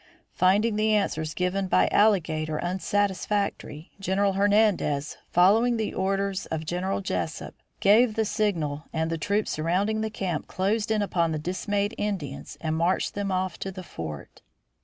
Finding the answers given by Alligator unsatisfactory, General Hernandez, following the orders of General Jesup, gave the signal and the troops surrounding the camp closed in upon the dismayed Indians and marched them off to the fort.